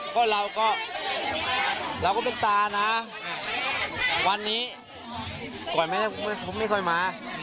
ก็เราก็เราก็เป็นตานะวันนี้ก่อนไม่ได้ผมไม่ค่อยมา